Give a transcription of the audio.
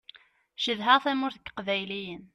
Cedhaɣ tamurt n yiqbayliyen.